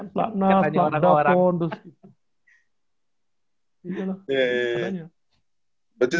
pelatnas pelatnason terus gitu